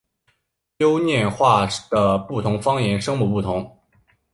优念话的不同方言声母不同。